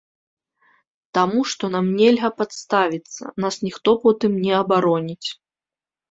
Таму што нам нельга падставіцца, нас ніхто потым не абароніць.